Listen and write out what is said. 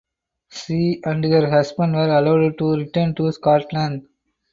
She and her husband were allowed to return to Scotland.